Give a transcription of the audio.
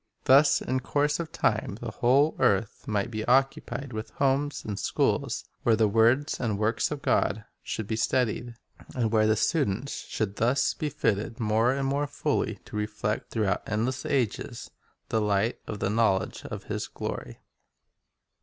Thus in course of time the whole earth might be occupied with homes and schools where the words and the works of God should be studied, and where the students should thus be fitted more and more fully to reflect, through out endless ages, the light of the knowledge of His glory.